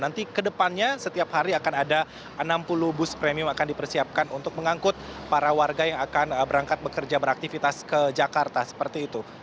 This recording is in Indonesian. nanti ke depannya setiap hari akan ada enam puluh bus premium akan dipersiapkan untuk mengangkut para warga yang akan berangkat bekerja beraktivitas ke jakarta seperti itu